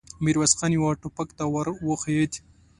ميرويس خان يوه ټوپک ته ور وښويېد.